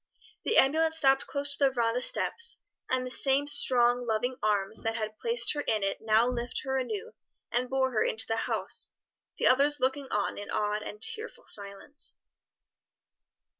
The ambulance stopped close to the veranda steps, and the same strong, loving arms that had placed her in it now lifted her anew and bore her into the house, the others looking on in awed and tearful silence.